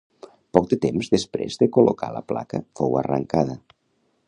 Poc de temps després de col·locar la placa fou arrancada.